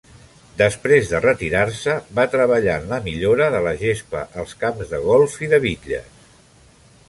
Després de retirar-se, va treballar en la millora de la gespa als camps de golf i de bitlles.